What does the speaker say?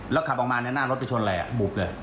แล้วขับออกมาหน้ารถไปชนอะไรบุบเลย